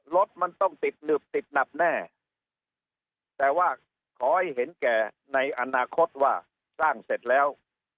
รถมันต้องติดหนึบติดหนับแน่แต่ว่าขอให้เห็นแก่ในอนาคตว่าสร้างเสร็จแล้ว